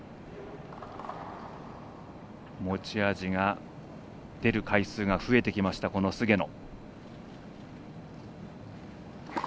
持ち味が出る回数が増えてきました、菅野。